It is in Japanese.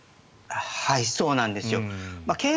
そうなんですよ。